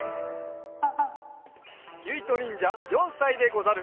ゆいとにんじゃ４さいでござる。